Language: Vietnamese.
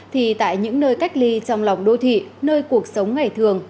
thì tại những nơi cách ly trong lòng đô thị nơi cuộc sống ngày thường